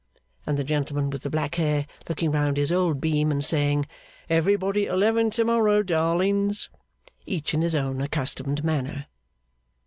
and the gentleman with the black hair looking round his old beam, and saying, 'Everybody at eleven to morrow, darlings!' each in his own accustomed manner.